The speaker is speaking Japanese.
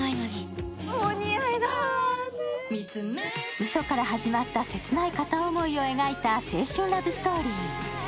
うそから始まった切ない片思いを描いた青春ラブストーリー。